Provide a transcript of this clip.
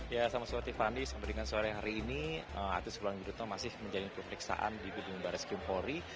ya sama sama tifani sampai dengan sore hari ini artis wulan guritno masih menjalin pemeriksaan di bidung baris kempori